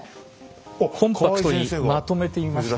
コンパクトにまとめてみました。